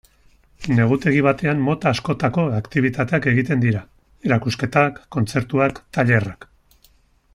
Negutegi batean mota askotako aktibitateak egiten dira: erakusketak, kontzertuak, tailerrak.